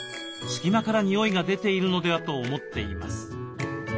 隙間から臭いが出ているのではと思っています。